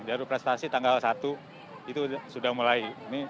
jalur prestasi tanggal satu itu sudah mulai